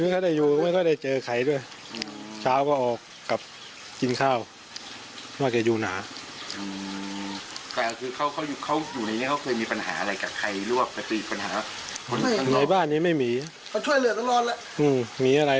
เขาก็รู้จักกันเป็นเพื่อนกันนั่นแหละเพราะเขาก็ช่วยงานกันทำงานทำบ่ออะไร